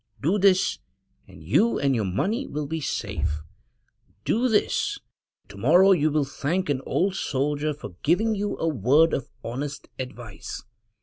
Do this; and you and your money will be safe. Do this; and tomorrow you will thank an old soldier for giving you a word of honest advice."